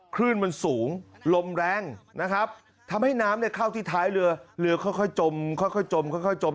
คลื่นมันสูงลมแรงนะครับทำให้น้ำเข้าที่ท้ายเรือเรือค่อยจมค่อยจมค่อยจม